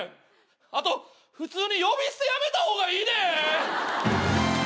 あと普通に呼び捨てやめた方がいいで！